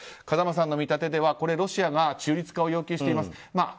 風間さんの見立てではロシアが中立化を要求しています。